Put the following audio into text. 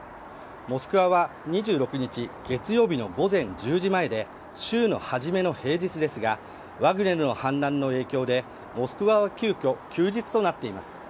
モスクワは２６日月曜日の午前１時前で週の初めの平日ですがワグネルの反乱の影響でモスクワは急きょ休日となっています。